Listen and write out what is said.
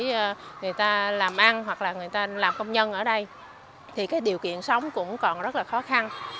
nếu không có người ta làm ăn hoặc là người ta làm công nhân ở đây thì cái điều kiện sống cũng còn rất là khó khăn